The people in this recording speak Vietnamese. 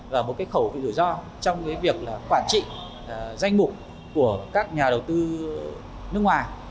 và một khẩu vị rủi ro trong việc quản trị danh mục của các nhà đầu tư nước ngoài